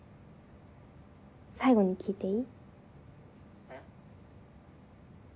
最後に聞いていい？ん？